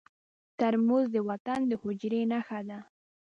ترموز د وطن د حجرې نښه ده.